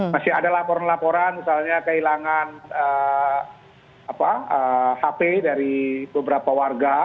masih ada laporan laporan misalnya kehilangan hp dari beberapa warga